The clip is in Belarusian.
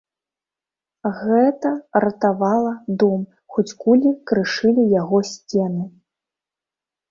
Гэта ратавала дом, хоць кулі крышылі яго сцены.